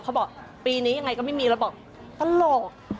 เขาบอกปีนี้ยังไงก็ไม่มีแล้วบอกตลก